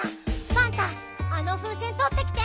パンタあのふうせんとってきて！